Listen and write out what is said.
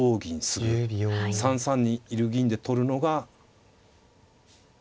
３三にいる銀で取るのが。